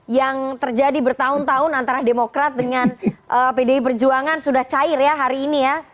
yang terjadi bertahun tahun antara demokrat dengan pdi perjuangan sudah cair ya hari ini ya